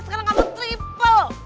sekarang kamu triple